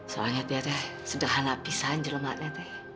soalnya teh sederhana pisan jelek makanya teh